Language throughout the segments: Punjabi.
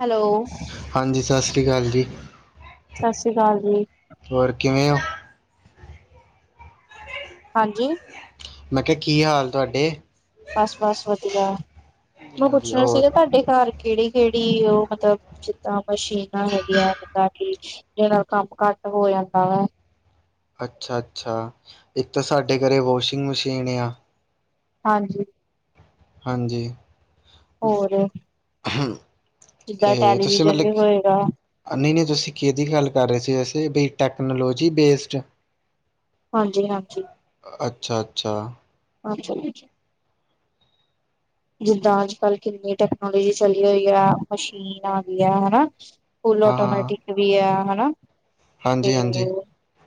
ਹੈਲੋ ਹਾਂਜੀ ਸਸ ਸ੍ਰੀ ਕਾਲ ਜੀ ਸਤਿ ਸ੍ਰੀ ਅਕਾਲ ਜੀ, ਹੋਰ ਕਿਵੇਂ ਓ? ਹਾਂਜੀ ਮੈਂ ਕਿਹਾ ਕੀ ਹਾਲ ਤੁਹਾਡੇ? ਬਸ ਬਸ ਵਧੀਆ ਮੈਂ ਵਧੀਆ। ਪੁੱਛਣਾ ਹੋਰ ਸੀਗਾ ਤੁਹਾਡੇ ਘਰ ਕੇੜੀ- ਕੇੜੀ ਉਹ ਮਤਲਬ ਜਿੱਦਾਂ ਮਸ਼ੀਨਾਂ ਹੈਗੀਆਂ ਜਿੱਦਾਂ ਕਿ ਜੇੜਾ ਕੰਮ ਘੱਟ ਹੋਯਾਂ ਤਾਂ ਅੱਛਾ- ਅੱਛਾ! ਇੱਕ ਤਾਂ ਸਾਡੇ ਘਰੇ ਵੋਸ਼ਿੰਗ ਮਸ਼ੀਨ ਏ ਆਂ ਹਾਂਜੀ ਹਾਂਜੀ ਹੋਰ [unintelligible] ਜਿੱਦਾਂ ਟੈਲੀਵਿਜ਼ਨ ਵੀ ਹੋਏਗਾ? ਨਈ - ਨਈ ਤੁਸੀਂ ਕਿਹਦੀ ਗੱਲ ਕਰ ਰਹੇ ਸੀੇ ਵੇਸੇ ਵੀ ਟੈਕਨੋਲੋਜੀ ਬੇਸਡ ਹਾਂਜੀ- ਹਾਂਜੀ। ਅੱਛਾ-ਅੱਛਾ [unintelligible] ਜਿੱਦਾਂ ਅੱਜ ਕੱਲ੍ਹ ਕਿੰਨੀ ਟੈਕਨੋਲੋਜੀ ਚੱਲੀ ਹੋਈ ਆ, ਮਸ਼ੀਨ ਆ ਗਈ ਐ ਹਨਾ ਫੁਲ ਹਾਂ ਹਾਂ ਆਟੋਮੈਟਿਕ ਵੀ ਆ ਹਨਾ ਤੇ ਹਾਂਜੀ ਹਾਂਜੀ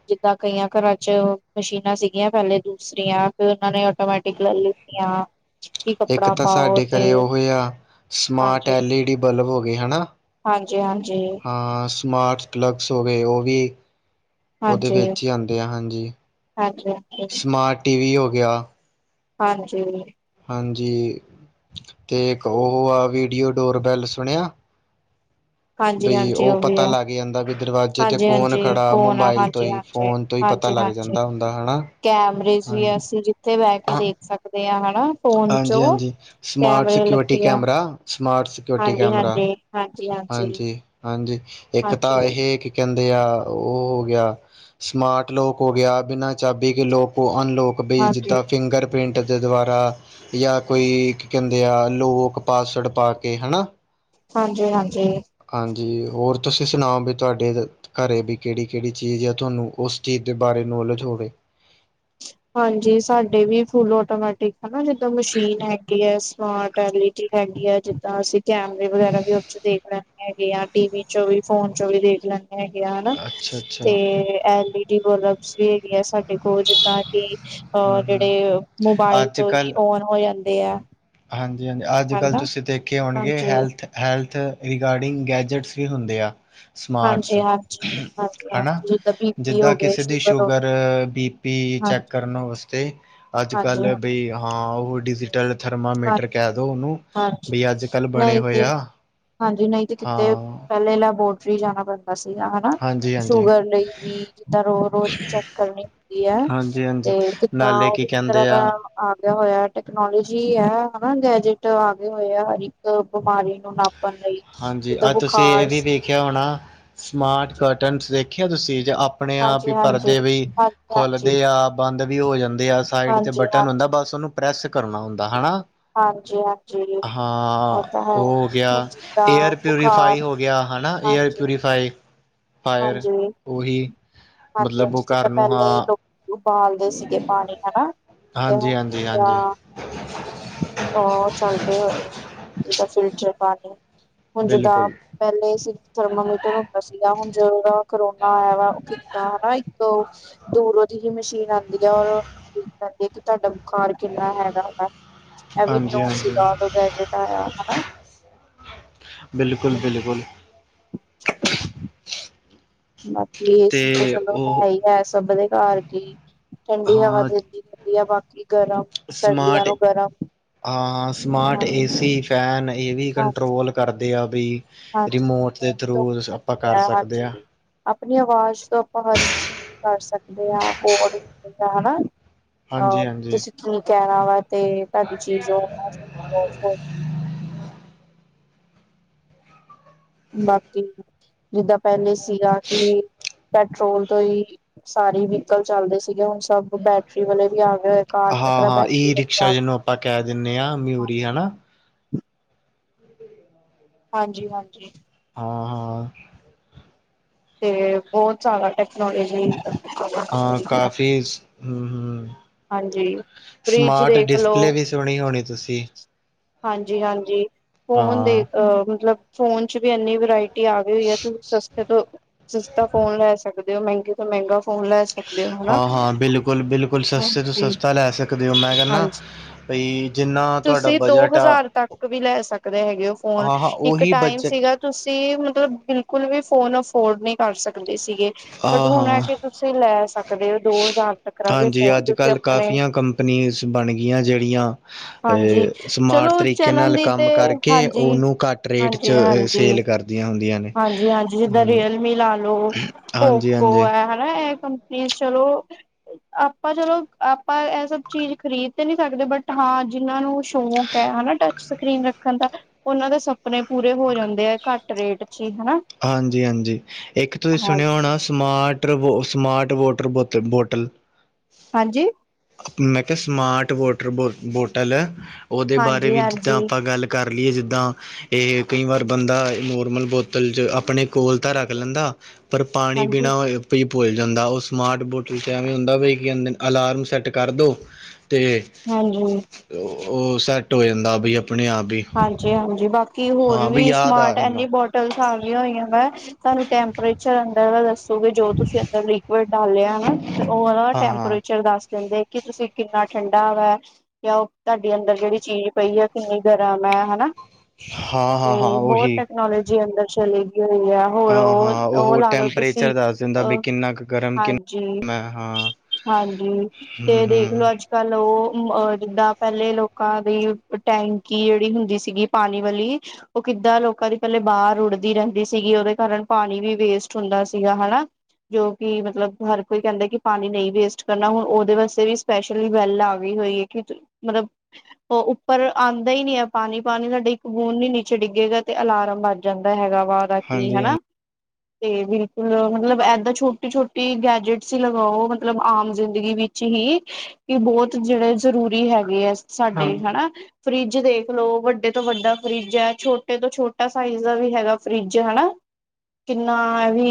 ਜਿੱਦਾਂ ਕਈਆਂ ਘਰਾਂ ਚ ਮਸ਼ੀਨਾਂ ਸੀਗੀਆਂ ਪਹਿਲੇ ਦੂਸਰੀਆਂ ਫਿਰ ਉਹਨਾਂ ਨੇ ਆਟੋਮੈਟੀਕ ਲੈ ਲਿੱਤੀਆ ਇੱਕ ਤਾਂ ਸਾਡੇ ਘਰੇ ਉਹ ਹੀ ਆ smart L E D bulb ਹੋ ਗਏ ਹਨਾ। ਹਾਂਜੀ-ਹਾਂਜੀ। ਹਾਂ-ਹਾ, ਸਮਾਰਟ ਪਲੱਗਸ ਹੋ ਗੇ ਉ ਵੀ ਉਦੇ ਹਾਂਜੀ ਵਿੱਚ ਹੀ ਆਂਦੇ ਆ ਹਾਂਜੀ, ਹਾਂਜੀ ਹਾਂਜੀ ਸਮਾਰਟ ਟੀ ਵੀ ਹੋ ਗਿਆ। ਹਾਂਜੀ। ਹਾਂਜੀ, ਤੇ ਇੱਕ ਉਹ ਆ ਵੀਡੀਓ ਡੋਰ ਬੈਲ ਸੁਣਿਆ। ਹਾਂਜੀ ਬਈ ਹਾਂਜੀ ਉ ਉਹ ਵੀ ਪਤਾ ਹੈ ਲੱਗ ਜਾਂਦਾ ਵੀ ਦਰਵਾਜੇ ਤੇ ਹਾਂਜੀ ਕੌਣ ਹਾਂਜੀ ਖੜਾ ਕੌਣ ਆ ਮੋਬਾਇਲ ਤੋਂ ਹਾਂਜੀ ਹੀ। ਹਾਂਜੀ ਫੋਨ ਤੋਂ ਈ ਪਤਾ ਲੱਗ ਜਾਂਦਾ ਹੁੰਦਾ ਹਣਾ। ਕੈਮਰੇ ਚਵੀ ਅਸੀਂ ਜਿੱਥੇ ਬਹਿ ਕੇ ਦੇਖ ਸਕਦੇ ਆ ਹਨਾ ਫੋਨ ਚੋਂ ਹਾਂਜੀ-ਹਾਜੀ, ਸਮਾਰਟ ਕੈਮਰੇ ਸਕਿਓਰਟੀ ਲੱਗੇ ਆ ਕੈਮਰਾ ਸਮਾਰਟ ਸਕਿ ਸਕਓਰਟੀ ਹਾਂਜੀ ਕੈਮਰਾ, ਹਾਂਜੀ ਹਾਂਜੀ ਹਾਂਜੀ ਹਾਂਜੀ-ਹਾਂਜੀ, ਇੱਕ ਤਾਂ ਹਾਂਜੀ ਇਹ ਕਹਿੰਦੇ ਆ ਉਹ ਹੋ ਗਿਆ ਸਮਾਰਟ ਲੋਕ ਹੋ ਗਿਆ, ਬਿਨਾਂ ਚਾਬੀ ਕੇ ਲੋਕ, ਕੋ ਅਨਲੌਕ ਬਈ ਹਾਂਜੀ ਜਿੱਦਾਂ ਫਿੰਗਰ ਪ੍ਰਿੰਟ ਦੇ ਦੁਆਰਾ ਜਾਂ ਕੋਈ ਕੀ ਕਹਿੰਦੇ ਆ ਲੋਗੋ ਪਾਸਵਰੜ ਪਾ ਕੇ ਹਨਾ ਹਾਂਜੀ-ਹਾਂਜੀ। ਹਾਂਜੀ, ਹੋਰ ਤੁਸੀਂ ਸੁਣਾਓ ਵੀ ਤੁਹਾਡੇ ਘਰੇ ਵੀ ਕਿਹੜੀ-ਕਿਹੜੀ ਚੀਜ਼ ਆ ਤੁਹਾਨੂੰ ਉਸ ਚੀਜ਼ ਦੇ ਬਾਰੇ ਨੋਲੇਜ ਹੋਵੇ। ਹਾਂਜੀ, ਸਾਡੇ ਵੀ ਫੁੱਲ ਆਟੋਮੈਟਿਕ ਹਨਾ ਜਿੱਦਾਂ ਮਸ਼ੀਨ ਹੈਗੀ ਐ। ਸਮਾਰਟ ਐਲ ਈ ਡੀ ਹੈਗੀ ਆ ਜਿੱਦਾਂ ਅਸੀ ਕੈਮਰੇ ਵਗੈਰਾ ਵੀ ਉ ਚ ਦੇਖ ਲੈਂਣੇ ਹੈਗੇ ਆ ਟੀ ਵੀ ਚੋਂ ਵੀ ਫੋਨ ਚੋਂ ਵੀ ਦੇਖਣਾ ਹੈਗਿਆ ਹਨਾ, ਅੱਛਾ ਤੇ ਅੱਛਾ ਐ ਲ ਈ ਡੀ ਮਤਬਲ [unintelligible] ਵੀ ਹੈਗੇ ਆ ਸਾਡੇ ਕੋਲ, ਤਾਂ ਕਿ ਓ ਹਮ ਹਮ ਜੇੜੇ ਮੋਬਾਇਲ ਤੋਂ ਹੀ ਓਂਨ ਹੋ ਜਾਂਦੇ ਆ। ਹਾਂਜੀ-ਹਾਂਜੀ, ਅੱਜ-ਕੱਲ੍ਹ ਹਨਾ ਤੁਸੀਂ ਦੇਖੇ ਹੋਣਗੇ ਹਾਂਜੀ ਹੈਲਥ ਹੈਲਥ ਰਿਗਾਰਡਿੰਗ ਗੈਜਟਸ ਹੀ ਹੁੰਦੇ ਆ। ਸਮਾਰਟਸ ਹਾਂਜੀ ਹਾਂਜੀ ਹਾਂਜੀ ਹਨਾ ਹਾਂਜੀ ਜਿੱਦਾਂ ਬੀ ਪੀ ਜਿੱਦਾਂ ਹੋ ਗਏ ਕਿਸੇ ਦੀ ਹੋ ਸ਼ੂਗਰ, ਗਈ ਬੀ ਪੀ ਚੈੱਕ ਹਾਂਜੀ ਕਰਨ ਵਾਸਤੇ ਹਾਂਜੀ ਅੱਜ-ਕੱਲ੍ਹ ਹਾਂਜੀ ਬਾਈ ਹਾਂ ਉ ਡਿਜੀਟਲ ਥਰਮਾਮੀਟਰ ਹਾਂਜੀ ਕਹਿ ਦੋ ਉਨੂੰ ਹਾਂਜੀ ਵੀ ਅੱਜ-ਕੱਲ੍ਹ ਬਣੇ ਨਹੀਂ ਹੋਏ ਤੇ ਆ। ਹਾਂਜੀ ਨਹੀਂ ਤੇ ਕਿਤੇ ਹਾਂ ਪਹਿਲੇ ਲੈਬੋਟਰੀ ਜਾਂਣਾਂ ਪੈਦਾ ਸੀਗਾ। ਹਾਂ ਹਾਂਜੀ ਹਾਂਜੀ ਸ਼ੂਗਰ ਲਈ ਵੀ ਜਿੱਦਾਂ ਰੋ-ਰੋਜ਼ ਚੈੱਕ ਕਰਨੀ ਹੁੰਦੀ ਹੈ। ਤੇ ਹਾਂਜੀ-ਹਾਂਜੀ ਜ ਤਾਂ ਨਾਲੇ ਉਹ ਕੀ ਇਸ ਤਰ੍ਹਾਂ ਕਹਿੰਦੇ ਆ ਦਾ ਆਂਦੇਆ ਹੋਇਆ ਟੈਕਨੋਲੋਜੀ। ਕਿ ਹੈ ਹਨਾ, ਗੈਜਟ ਆ ਗਏ ਹੋਏ ਆ ਹਰ ਇੱਕ ਬਿਮਾਰੀ ਨੂੰ ਨਾਪਣ ਲਈ। ਹਾਂਜੀ, ਜਿੱਦਾਂ ਅੱਜ ਤੁਸੀਂ ਇਹ ਬੁਖਾਰ ਵੀ ਵੇਖਿਆ ਹੋਣਾ ਸਮਾਰਟ ਕਰਟਨਸ ਦੇਖਿਆ ਤੁਸੀਂ ਜੇ ਅਪ ਆਪਣੇ-ਆਪ ਹੀ ਹਾਂਜੀ-ਹਾਂਜੀ, ਪਰਦੇ ਵੀ ਹਾਂਜੀ-ਹਾਂਜੀ, ਖੁੱਲਦੇ ਆਪ। ਬੰਦ ਵੀ ਹੋ ਜਾਂਦੇ ਆ ਸਾਈਡ ਤੇ ਬਟਨ ਹੁੰਦਾ ਹਾਂਜੀ-ਹਾਂਜੀ। ਬਸ ਓਨੂੰ ਪ੍ਰੈੱਸ ਕਰਨਾ ਹੁੰਦਾ ਹਨਾ ਹਾਂਜੀ-ਹਾਂਜੀ ਹਾਂ ਉਹ ਤਾਂ ਹੈ ਉ ਹੋਗਿਆ। ਹੁਣ ਜਿੱਦਾਂ ਏਅਰ ਬੁਖਾਰ ਪਿਊਰੀਫਾਈ ਹੋ ਗਿਆ ਹਨਾ, ਏਅਰ ਹਾਂਜੀ-ਹਾਂਜੀ, ਪਿਊਰੀਫਾਈ ਫਾਇਰ ਹਾਂਜੀ-ਹਾਂਜੀ ਉਹੀ ਮਤਲਬ ਉਹ ਜਿੱਦਾਂ ਘਰ ਨੂੰ ਪਹਿਲੇ ਹਾਂ। ਉਬਾਲਦੇ ਸੀਗੇ ਪਾਣੀ ਹਨਾ ਤੇ ਉਹ ਹਾਂਜੀ-ਹਾਂਜੀ-ਹਾਂਜੀ ਹਾਂ। ਉਹ ਚੱਲ ਪਏਹੋ ਏ ਜਿੱਦਾਂ ਫਿਲਟਰ ਪਾਣੀ। ਹੁਣ ਜਿੱਦਾਂ ਬਿਲਕੁਲ ਪਹਿਲੇ ਸੀ ਥਰਮਮੀਟਰ ਹੁੰਦਾ ਸੀਗਾ ਹੁਣ ਜਦੋਂ ਦਾ ਕਰੋਨਾ ਆਇਆ ਵਾ ਦਾ ਆ ਇੱਕ ਦੂਰੋਂ ਅਜਿਹੀ ਮਸ਼ੀਨ ਆਉਂਦੀ ਆ ਔਰ ਕਰਦੀ ਇੱਕ ਤੁਹਾਡਾ ਬੁਖਾਰ ਕਿੰਨਾ ਹੈਗਾ ਵ ਇਹ ਵੀ ਨਿਊ ਹਾਂਜੀ-ਹਾਂਜੀ ਸੀਗਾ ਉਦੋਂ ਗੈਜਟ ਆਇਆ ਹਨਾ। ਬਿਲਕੁਲ-ਬਿਲਕੁਲ। [inaudible] ਬਾਕੀ ਏ ਸੀ ਤੇ ਚਲੋ ਹੈ ਹੀ ਹੈ ਸਭ ਦੇ ਘਰ ਕੀ, ਠੰਡੀ ਹਵਾ ਹਾਂ ਦਿੰਦੀ ਆ ਬਾਕੀ ਗਰਮ। ਸਰਦੀਆਂ ਸਮਾਰਟ ਨੂੰ ਗਰਮ ਹਾਂ, ਸਮਾਰਟ ਏ ਹਾਂਜੀ ਸੀ ਫੈਨ ਇਹ ਵੀ ਹਾਂਜੀ ਕੰਟਰੋਲ ਕਰਦੇ ਆ ਵੀ ਹਾਂਜੀ ਰਿਮੋਟ ਦੇ ਫੋਨ ਤੋਂ ਹੋ ਥਰੂ ਆਪਾਂ ਜਾਂਦੇ ਕਰ ਸਕਦੇ ਆ। ਹਾਂਜੀ। ਆਪਣੀ ਆਵਾਜ਼ ਤੋਂ ਆਪਾਂ ਹਰ ਇੱਕ ਚੀਜ਼ ਕਰ ਸਕਦੇ ਹਾਂ ਕੋਡ ਹੁੰਦਾ ਹਨਾ। ਹਾਂਜੀ ਆਹੋ, ਹਾਂਜੀ ਤੁਸੀਂ ਕੀ ਕਹਿਣਾ ਵਾ ਤੇ ਤੁਹਾਡੀ ਚੀਜ਼ ਉਹ ਪਹੁੰਚ ਬਾਕੀ ਜਿੱਦਾਂ ਪੈਲੇ ਸੀਗਾ ਕਿ ਪੈਟਰੋਲ ਤੋਂ ਹੀ ਸਾਰੇ ਵਹੀਕਲ ਚੱਲਦੇ ਸੀਗੇ, ਹੁਣ ਸਭ ਬੈਟਰੀ ਵਾਲੇ ਵੀ ਆ ਗਏ ਹੋਏ। ਕਾਰ ਤੱਕ ਹਾਂ, ਹਾਂ ਬੈਟਰੀ ਈ ਵਾਲੇ ਰਿਕਸ਼ਾ ਆ ਜਿਹਨੂੰ ਆਪਾਂ ਕਹਿ ਦਿੰਦੇ ਹਾਂ ਗਏ। ਮਿਊਰੀ ਹਨਾਂ। ਹਾਂਜੀ -ਹਾਂਜੀ। ਹਾ- ਹਾ। ਹਾਂ। ਤੇ ਬਹੁਤ ਜ਼ਿਆਦਾ ਟੈਕਨੋਲੋਜੀ ਹਾਂ ਕਾਫੀਸ, ਹੂੰ -ਹੂੰ ਹਾਂਜੀ ਫਰਿਜ ਸਮਾਰਟ ਦੇਖ ਲਓ ਡਿਸਪਲੇ ਵੀ ਸੁਨੀ ਹੋਣੀ ਤੁਸੀਂ। ਹਾਂਜੀ -ਹਾਂਜੀ ਫੋਨ ਦੇ ਹਾਂ ਅ ਮਤਲਬ ਫੋਨ ਵੀ ਏਨੀ ਵਰਾਇਟੀ ਤੇ ਆ ਗਈ ਐ ਤੁਸੀਂ ਸਸਤੇ ਤੋਂ ਸਸਤਾ ਫੋਨ ਲੈ ਸਕਦੇ ਹੋ ਮਹਿੰਗੇ ਮਹਿੰਗਾ ਫੋਨ ਲੈ ਸਕਦੇ ਹੋ ਹਨਾ, ਹਾਂ ਹਾਂ ਬਿਲਕੁਲ ਬਿਲਕੁਲ ਸਸਤੇ ਤੋਂ ਹਾਂਜੀ ਸਸਤਾ ਲੈ ਸਕਦੇ ਹੋ ਮੈਂ - ਕਹਿੰਦਾ ਹਾਂਜੀ। [inaudible] ਬਈ ਜਿੰਨਾ ਤੁਹਾਡਾ ਤੁਸੀਂ ਦੋ ਬਜਟ ਆ ਹਜ਼ਾਰ ਤੱਕ ਵੀ ਲੈ ਸਕਦੇ ਹੈਗੇ ਹੋ ਫੋਨ, ਹਾਂ ਹਾਂ ਇੱਕ ਉਹੀ ਟਾਈਮ ਬਜਟ ਸੀਗਾ ਤੁਸੀਂ ਮਤਲਬ ਬਿਲਕੁਲ ਵੀ ਫੋਨ ਅਫੋਰਡ ਨਹੀਂ ਕਰ ਸਕਦੇ ਸੀਗੇ, ਬਟ ਹਾਂ ਹੁਣ ਐ ਆ ਹਾਂ ਕਿ ਤੁਸੀਂ ਲੈ ਸਕਦੇ ਹੋ ਦੋ ਹਜ਼ਾਰ ਤੱਕਰਾ ਵੀ ਹਾਂਜੀ ਫੋਨ ਅੱਜ- ਤੁਸੀਂ ਕੱਲ ਆਪਣੇ ਕਾਫੀਆਂ ਕੰਪਨੀਜ਼ ਬਣ ਗਈਆਂ ਜਿਹੜੀਆਂ ਹਾਂਜੀ ਅ ਸਮਾਰਟ ਚਲੋ ਤਰੀਕੇ ਚੱਲਣ ਨਾਲ ਦੀ ਕੰਮ ਤੇ ਕਰਕੇ ਹਾਂਜੀ ਓਨੂੰ ਘੱਟ ਰੇਟ ਚ ਸੇਲ ਕਰ ਦੀਆਂ ਹੁੰਦੀਆਂ। ਨੇ ਹਾਂਜੀ -ਹਾਂਜੀ ਜਿੱਦਾਂ ਰੀਅਲਮੀ ਲਾ ਲਓ, ਓ ਹਾਂਜੀ ਪੋ ਹਾਂਜੀ ਐ ਐ ਕੰਪਨੀਸ ਚਲੋ ਆਪਾਂ ਚਲੋ ਆਪਾਂ ਇਹ ਸਭ ਚੀਜ਼ ਖ਼ਰੀਦ ਤੇ ਨਹੀਂ ਸਕਦੇ, ਬਟ ਹਾਂ ਜਿਹਨਾਂ ਨੂੰ ਸ਼ੋ ਹਨਾ ਟੱਚ ਸਕਰੀਨ ਰੱਖਣ ਦਾ, ਉਹਨਾਂ ਦੇ ਸਪਨੇ ਪੂਰੇ ਹੋ ਜਾਂਦੇ ਹੈ ਘੱਟ ਰੇਟ ਚ ਹਨਾ। ਹਾਂਜੀ- ਹਾਂਜੀ ਇੱਕ ਤੁਸੀਂ ਸੁਣਿਆ ਹਾਂਜੀ। ਹੋਣਾ ਸਮਾਰਟਰ ਵ ਓ ਸਮਾਰਟ ਵੋਟਰ ਬੋਤਲ ਬੋਟਲ। ਹਾਂਜੀ! ਮੈਂ ਕਿਹਾ ਸਮਾਰਟ ਵਾਟਰ ਬੋ ਬੋਟਲ, ਓਦੇ ਬਾਰੇ ਹਾਂਜੀ, ਵੀ ਜਿੱਦਾਂ ਹਾਂਜੀ, ਆਪਾਂ ਗੱਲ ਕਰ ਲਈਏ ਜਿੱਦਾਂ ਏ ਕਈ ਵਾਰ ਬੰਦਾ ਨੋਰਮਲ ਬੋਤਲ ਚ' ਆਪਣੇ ਕੋਲ ਤਾਂ ਰੱਖ ਲੈਂਦਾ। ਪਰ ਪਾਣੀ ਹਾਂਜੀ, ਪੀਨਾ ਉਹ ਆਪੀ ਭੁੱਲ ਜਾਂਦਾ, ਉਹ ਸਮਾਰਟ ਬੋਟਲ ਚ ਐਵੇਂ ਹੁੰਦਾ ਬਈ ਕੀ ਅਲਾਰਮ ਸੈੱਟ ਕਰ ਦੋ ਤੇ ਹਾਂਜੀ। ਉਹ ਸੈੱਟ ਹੋ ਜਾਂਦਾ ਬਈ ਆਪਣੇ ਆਪ ਬੀ। ਹਾਂਜੀ -ਹਾਂਜੀ ਬਾਕੀ ਹੋਰ ਵੀ ਆ ਸਮਾਰਟ ਐਨੀ ਜਾਂਦਾ ਬੋ ਟਲ ਸਾਮੀਆ ਹੋਈਆਂ ਵਾ, ਤੁਹਾਨੂੰ ਟੈਂਪਰੇਚਰ ਅੰਦਰ ਦਾ ਦੱਸੋਗੇ ਜੋ ਤੁਸੀਂ ਅੰਦਰ ਲਿਕੁਿਡ ਡਾਲਿਆ ਹਨਾ ਤੇ ਉਹ ਉਹਦਾ ਹਾਂ ਹਾਂ ਟੈਂਪਰੇਚਰ ਦੱਸ ਦਿੰਦੇ। ਕੀ ਤੁਸੀਂ ਕਿੰਨਾ ਠੰਡਾ ਵਾ ਜਾਂ ਤੁਹਾਡੀ ਅੰਦਰ ਜਿਹੜੀ ਚੀਜ਼ ਪਈ ਆ ਕਿੰਨੀ ਗਰਮ ਹੈ ਹਨਾ ਹੂੰ ਹਾਂ ਹਾਂ ਹਾਂ ਤੇ ਬੋਤ ਉਹੀ ਟੈਕਨੋਲੋਜੀ ਅੰਦਰ ਚਲੀ ਗਈ ਹੋਈ ਐ। ਹੋਰ ਹਾਂ ਹਾਂ ਓ ਉਹ ਲਾ ਲਓ ਤੁਸੀਂ ਟੈਂਪਰੇਚਰ ਦੱਸ ਦਿੰਦਾ ਵੀ ਅ ਕਿੰਨਾ ਕੁ ਗਰਮ ਹਾਂਜੀ। ਕਿੰਨਾ ਮੈਂ ਹਾਂ ਹਾਂਜੀ, ਹੂੰ ਤੇ ਹੂੰ ਦੇਖਲੋ ਅੱਜ ਕੱਲ ਓ ਅ ਜਿੱਦਾਂ ਪੇਲੇ ਲੋਕਾਂ ਦੀ ਟਾਈਮ ਕੀ ਜੇੜੀ ਹੁੰਦੀ ਸੀਗੀ ਪਾਣੀ ਵਾਲੀ ਓ ਕਿੱਦਾਂ ਲੋਕਾਂ ਦੀ ਪੇਲੇ ਬਾਹਰ ਰੂੱੜਦੀ ਰੇਂਦੀ ਸੀਗੀ ਉਹਦੇ ਕਾਰਨ ਪਾਣੀ ਵੀ ਵੇਸਟ ਹੁੰਦਾ ਸੀਗਾ ਹਨਾ। ਜੋ ਕਿ ਮਤਲਬ ਹਰ ਕੋਈ ਕੇਂਦਾ ਕਿ ਪਾਣੀ ਨਈ ਵੇਸਟ ਕਰਨਾ ਹੁਣ ਉਹਦੇ ਵਾਸਤੇ ਵੀ ਸਪੈਸ਼ ਲ ਗੱਲ ਆ ਗਈ ਹੋਈ ਆ ਕਿ ਮਤਲਬ ਉਹ ਉੱਪਰ ਆ ਦਾ ਈ ਨੀ ਹੈ ਪਾਣੀ -ਪਾਣੀ ਸਾਡੇ ਇੱਕ ਬੂੰਦ ਵੀ ਨੀਚੇ ਡਿੱਗੇਗਾ ਤੇ ਅਲਾਰਮ ਲੱਗ ਜਾਂਦਾ ਹੈਗਾ ਵਾ। ਬਾਕੀ ਹਾਂਜੀ ਹਾਂਜੀ ਹਨਾ ਤੇ ਬਿਲਕੁਲ ਮਤਲਬ ਏਦਾਂ ਛੋਟੀ -ਛੋਟੀ ਗੈਜਟ ਸੀ ਲਗਾਓ ਮਤਲਬ ਆਮ ਜਿੰਦਗੀ ਵੀ ਚ ਹੀ ਕਿ ਬੋਤ ਜੇੜੇ ਜ਼ਰੂਰੀ ਹੈਗੇ ਆ ਸਾਡੇ ਹਾਂਜੀ ਹਨਾ ਫਰਿੱਜ ਦੇਖ ਲੋ ਵੱਡੇ ਤੋਂ ਵੱਡਾ ਫਰਿੱਜ ਹੈ ਛੋਟੇ ਤੋਂ ਛੋਟਾ ਸਾਈਜ਼ ਦਾ ਵੀ ਹੈਗਾ ਫਰਿੱਜ ਹੈਨਾ ਕਿੰਨਾ ਏ ਵੀ